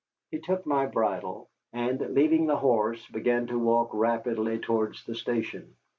He took my bridle, and, leading the horse, began to walk rapidly towards the station.